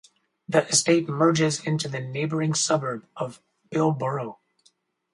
The estate merges into the neighbouring suburb of Bilborough.